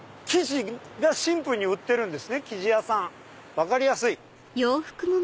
分かりやすい。